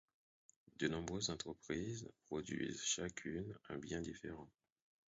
De nombreuses entreprises produisent chacune un bien différent.